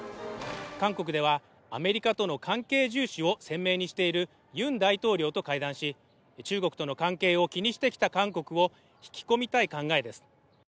韓国ではアメリカとの関係重視を鮮明にしているユン大統領と会談し中国との関係を気にしてきた韓国を引き込みたい考えです